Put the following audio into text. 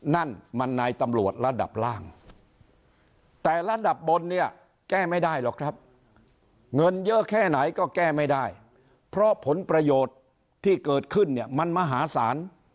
นั่นมันนายตำรวจระดับล่างแต่ระดับบนเนี่ยแก้ไม่ได้หรอกครับเงินเยอะแค่ไหนก็แก้ไม่ได้เพราะผลประโยชน์ที่เกิดขึ้นเนี่ยมันมหาศาล